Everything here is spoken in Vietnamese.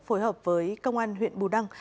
phối hợp với công an huyện bù đăng